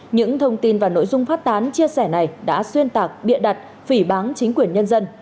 những thông tin và nội dung phát tán chia sẻ này đã xuyên tạc bịa đặt phỉ bán chính quyền nhân dân